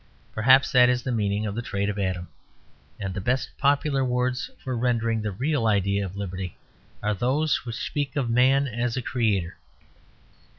Perhaps that is the meaning of the trade of Adam. And the best popular words for rendering the real idea of liberty are those which speak of man as a creator.